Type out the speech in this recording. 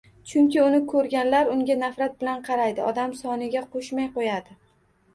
Chunki, uni ko`rganlar unga nafrat bilan qaraydi, odam soniga qo`shmay qo`yadi